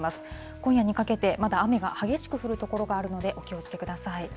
今夜にかけて、まだ雨が激しく降る所があるので、お気をつけください。